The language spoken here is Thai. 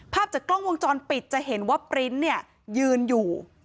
ภาพจากกล้องวงจรปิดจะเห็นว่าปริ้นต์เนี่ยยืนอยู่